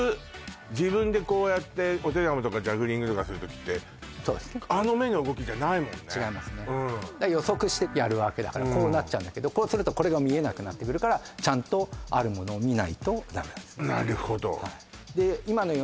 自分でこうやってお手玉とかジャグリングとかする時ってあの目の動きじゃないもんね違いますね予測してやるわけだからこうなっちゃうんだけどこうするとこれが見えなくなってくるからちゃんとある物を見ないとダメなんです